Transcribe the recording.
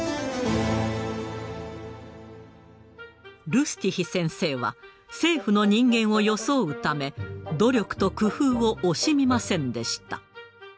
ルスティヒ先生は政府の人間を装うため努力と工夫を惜しみませんでした。